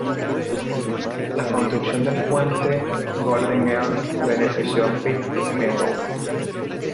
La construcción del Puente Golden Ears benefició a Pitt Meadows.